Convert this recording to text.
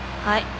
はい。